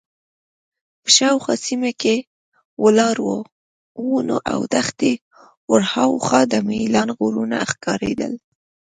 په شاوخوا سیمه کې له ولاړو ونو او دښتې ورهاخوا د میلان غرونه ښکارېدل.